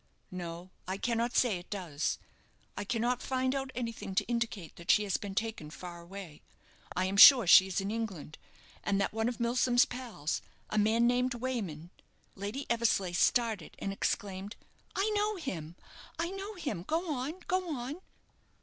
"No, I cannot say it does. I cannot find out anything to indicate that she has been taken far away. I am sure she is in England, and that one of Milsom's pals, a man named Wayman " Lady Eversleigh started, and exclaimed, "I know him! I know him! Go on! go on!"